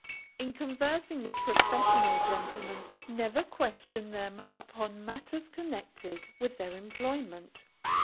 In conversing with professional gentlemen, never question them upon matters connected with their employment.